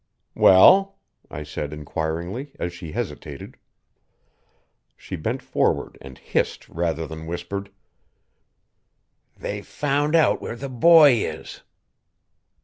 "Well?" I said inquiringly as she hesitated. She bent forward and hissed rather than whispered: "They've found out where the boy is!"